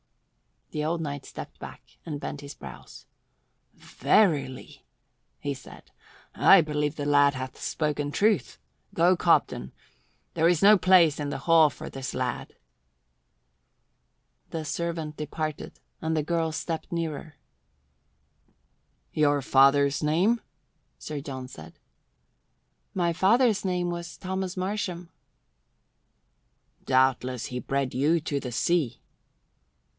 The old knight stepped back and bent his brows. "Verily," he said, "I believe the lad hath spoken truth. Go, Cobden. There is no place in the hall for this lad." The servant departed and the girl stepped nearer. "Your father's name?" Sir John said. "My father's name was Thomas Marsham." "Doubtless he bred you to the sea."